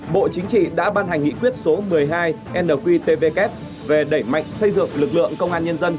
bộ chính trị đã ban hành nghị quyết số một mươi hai nqtvk về đẩy mạnh xây dựng lực lượng công an nhân dân